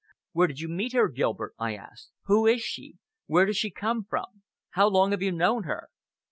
"Where did you meet her, Gilbert?" I asked. "Who is she? Where does she come from? How long have you known her?"